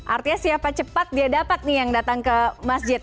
artinya siapa cepat dia dapat nih yang datang ke masjid